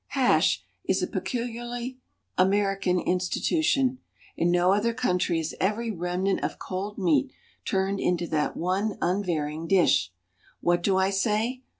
HASH is a peculiarly American institution. In no other country is every remnant of cold meat turned into that one unvarying dish. What do I say?